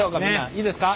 いいですか。